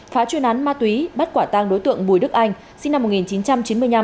phá chuyên án ma túy bắt quả tang đối tượng bùi đức anh sinh năm một nghìn chín trăm chín mươi năm